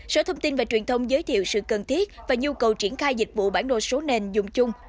sở thông tin và truyền thông giới thiệu sự cần thiết và nhu cầu triển khai dịch vụ bản đồ số nền dùng chung